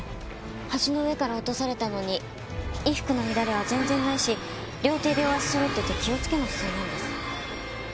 橋の上から落とされたのに衣服の乱れは全然ないし両手両足そろってて「気をつけ」の姿勢なんです。